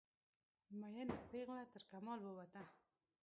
میینه پیغله ترکمال ووته